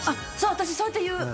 私、そうやっていう。